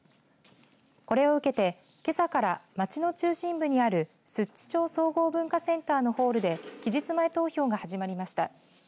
これを受けて、けさから町の中心部にある寿都町総合文化センターのホールで期日前投票が始まりました。